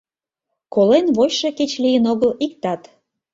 Колен вочшо кеч лийын огыл иктат.